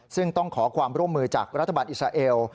ซึ่งต้องขอความร่วมมือจากรัฐบาลอิสราเอล